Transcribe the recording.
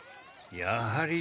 やはり。